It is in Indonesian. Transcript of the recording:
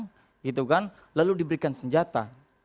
untuk dipersiapkan untuk perang gitu kan lalu diberikan senjata